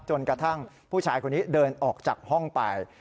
จนกระทั่งผู้ชายคนนี้เดินออกจากห้องไป